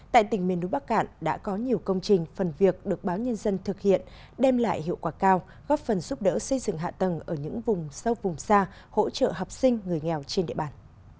tại tỉnh miền núi bắc cạn đã có nhiều công trình phần việc được báo nhân dân thực hiện đem lại hiệu quả cao góp phần giúp đỡ xây dựng hạ tầng ở những vùng sâu vùng xa hỗ trợ học sinh người nghèo trên địa bàn